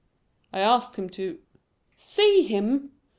"I asked him to " "See him?